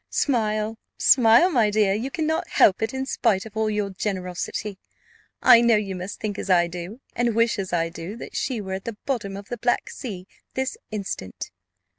Smile, smile, my dear; you cannot help it; in spite of all your generosity, I know you must think as I do, and wish as I do, that she were at the bottom of the Black Sea this instant."